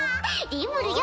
リムルよ！